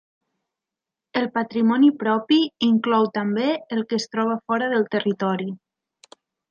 El patrimoni propi inclou també el que es troba fora del territori.